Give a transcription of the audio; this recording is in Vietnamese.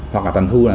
hoặc là tần thu là